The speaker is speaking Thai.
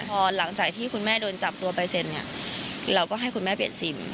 พอหลังจากที่คุณแม่โดนจับตัวไปเสร็จเนี่ยเราก็ให้คุณแม่เปลี่ยนซิม